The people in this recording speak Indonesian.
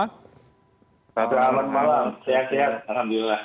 selamat malam sehat sehat alhamdulillah